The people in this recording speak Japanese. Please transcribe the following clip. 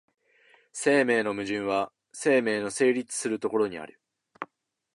生命の矛盾は生命の成立する所にある。